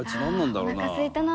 「ああーおなかすいたな」